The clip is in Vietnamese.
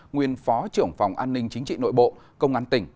nguyên phó trưởng phòng an ninh chính trị nội bộ công an tỉnh